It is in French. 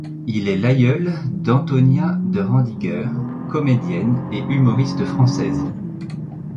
Il est l'aïeul d'Antonia de Rendinger, comédienne et humoriste française.